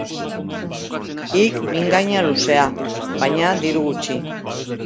Hik mingaina luzea, baina diru gutxi.